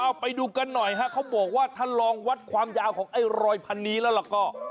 เอ้าไปดูกันหน่อยเขาบอกว่าถ้าลองวัดความยาวของรอยภัณฑีนี่แล้วล่ะก็